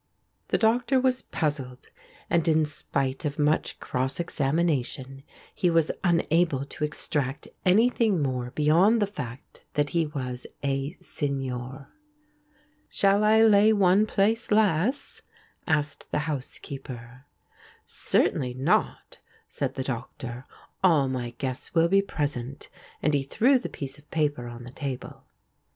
The Doctor was puzzled, and in spite of much cross examination he was unable to extract anything more beyond the fact that he was a "Signore." "Shall I lay one place less?" asked the housekeeper. "Certainly not," said the Doctor. "All my guests will be present." And he threw the piece of paper on the table.